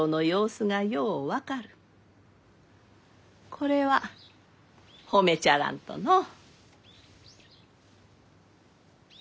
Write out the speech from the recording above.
これは褒めちゃらんとのう。